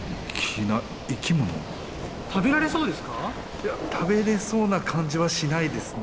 いや食べれそうな感じはしないですね。